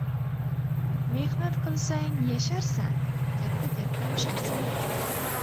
Mehnat qilsang, yasharsan, katta-katta osharsan.